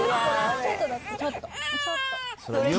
ちょっとだけ、ちょっと。